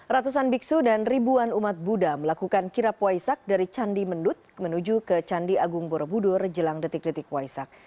ratusan biksu dan ribuan umat buddha melakukan kirap waisak dari candi mendut menuju ke candi agung borobudur jelang detik detik waisak